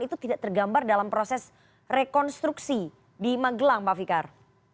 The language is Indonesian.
itu tidak tergambar dalam proses rekonstruksi di magelang pak fikar